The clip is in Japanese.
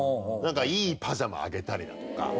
なんかいいパジャマあげたりだとか。